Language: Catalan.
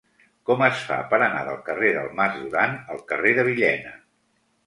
Com es fa per anar del carrer del Mas Duran al carrer de Villena?